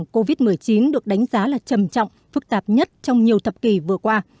covid một mươi chín được đánh giá là trầm trọng phức tạp nhất trong nhiều thập kỷ vừa qua